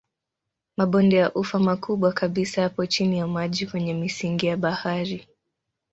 Mabonde ya ufa makubwa kabisa yapo chini ya maji kwenye misingi ya bahari.